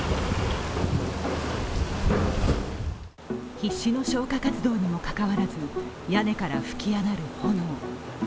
必死の消火活動にもかかわらず、屋根から噴き上がる炎。